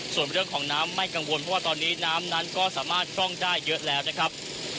ส่วนเรื่องของน้ำไม่กังวลเพราะว่าตอนนี้น้ำนั้นก็สามารถพร่องได้เยอะแล้วนะครับ